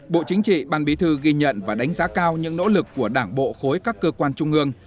bộ chính trị ban bí thư ghi nhận và đánh giá cao những nỗ lực của đảng bộ khối các cơ quan trung ương